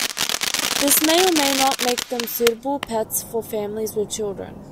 This may or may not make them suitable pets for families with children.